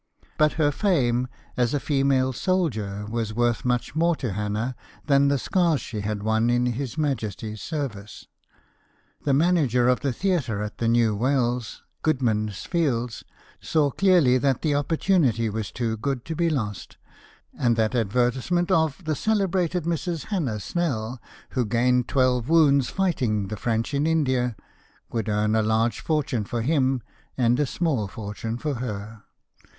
But her fame as a female soldier was worth much more to Hannah than the scars she had won in His Majesty's service. The manager of the theatre at the New Wells, Goodman's Fields, saw clearly that the opportunity was too good to be lost, and that advertisement of 'the celebrated Mrs. Hannah Snell, who had gained twelve wounds fighting the French in India,' would earn a large fortune for him, and a small fortune for her.